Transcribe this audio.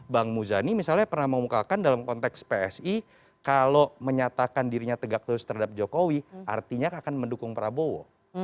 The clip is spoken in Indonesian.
bang muzani misalnya pernah mengumumkakan dalam konteks psi kalau menyatakan dirinya tegak terus terhadap jokowi artinya akan mendukung prabowo